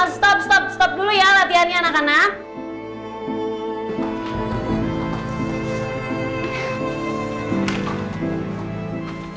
stop stop stop dulu ya latihannya anak anak